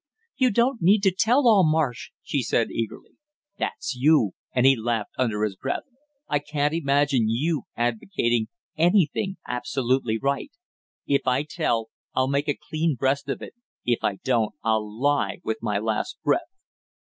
"You don't need to tell all, Marsh " she said eagerly. "That's you!" and he laughed under his breath. "I can't imagine you advocating anything absolutely right! If I tell, I'll make a clean breast of it; if I don't I'll lie with my last breath!"